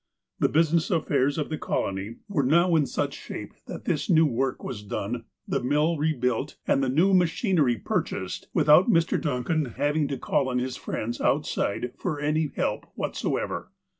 The business affairs of the colony were now in such 320 THE APOSTLE OF ALASKA shape that this new work was done, the mill rebuilt, and new machinery purchased, without Mr. Duncan having to call on his friends outside for any help whatsoever.